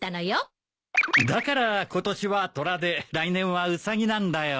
だから今年はトラで来年はウサギなんだよ。